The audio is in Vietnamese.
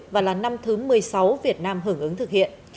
và là năm thứ một mươi sáu việt nam hưởng ứng thực hiện